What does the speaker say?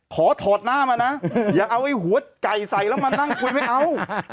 ถอดหน้ามานะอย่าเอาไอ้หัวไก่ใส่แล้วมานั่งคุยไม่เอา